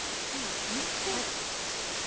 火を止めて溶かす。